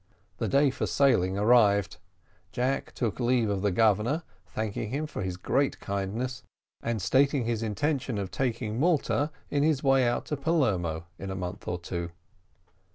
The day for sailing arrived. Jack took leave of the Governor, thanking him for his great kindness, and stating his intention of taking Malta in his way out to Palermo in a month or two.